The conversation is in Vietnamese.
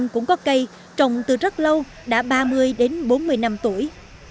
cũng có cây trồng từ rất lâu đã ba mươi đến bốn mươi năm tuổi